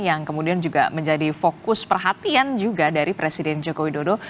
yang kemudian juga menjadi fokus perhatian juga dari presiden joko widodo